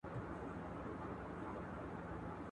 څه شی د صادراتو په زیاتوالي کي مرسته کوي؟